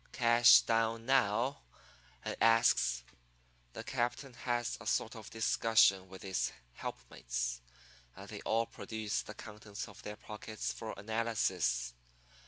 "'Cash down now?' I asks. "The captain has a sort of discussion with his helpmates, and they all produce the contents of their pockets for analysis.